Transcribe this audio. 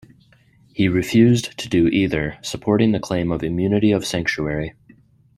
He refused to do either, supporting the claim of immunity of sanctuary.